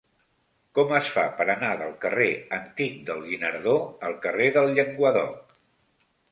Com es fa per anar del carrer Antic del Guinardó al carrer del Llenguadoc?